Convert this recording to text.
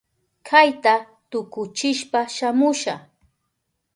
Kayta tukuchishpa shamusha.